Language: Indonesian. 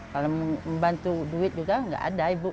kalau membantu duit juga nggak ada ibu